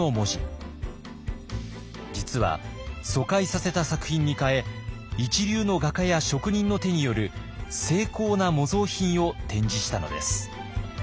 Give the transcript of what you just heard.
実は疎開させた作品に代え一流の画家や職人の手による精巧な模造品を展示したのです。